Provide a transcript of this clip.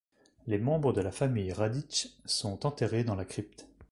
Les membres de la famille Radić sont enterrés dans la crypte.